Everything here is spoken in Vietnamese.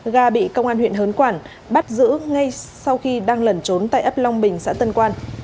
ga bị công an huyện hớn quản bắt giữ ngay sau khi đang lẩn trốn tại ấp long bình xã tân quan